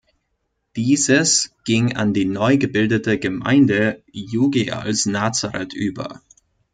Dieses ging an die neu gebildete Gemeinde Jugeals-Nazareth über.